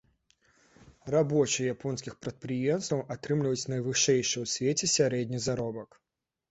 Рабочыя японскіх прадпрыемстваў атрымліваюць найвышэйшы ў свеце сярэдні заробак.